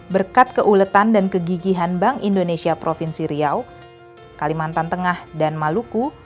berkat keuletan dan kegigihan bank indonesia provinsi riau kalimantan tengah dan maluku